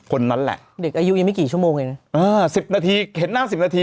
คนนั้นแหละเด็กอายุยังไม่กี่ชั่วโมงเองนะอ่าสิบนาทีเห็นหน้าสิบนาที